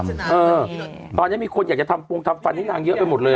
เออตอนนี้มีคนอยากจะทำโปรงทำฟันให้นางเยอะไปหมดเลย